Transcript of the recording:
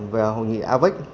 và hội nghị avec